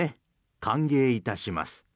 歓迎いたします。